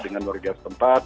dengan warga tempat